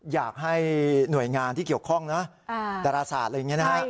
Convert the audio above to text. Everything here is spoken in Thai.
อยากให้หน่วยงานที่เกี่ยวข้องนะดาราศาสตร์อะไรอย่างนี้นะฮะ